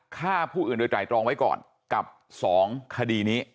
ฆ่าผู้อื่นโดยไตรตรองไว้ก่อนกับ๒คดีนี้